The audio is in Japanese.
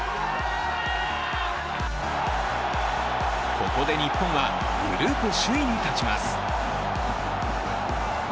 ここで日本はグループ首位に立ちます。